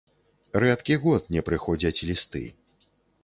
Рэдкі год не прыходзяць лісты.